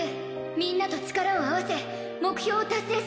みんなと力を合わせ目標を達成し